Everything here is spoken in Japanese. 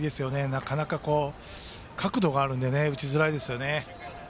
なかなか角度があるんで打ちづらいですよね。